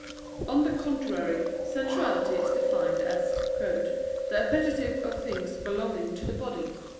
On the contrary, Sensuality is defined as "the appetite of things belonging to the body."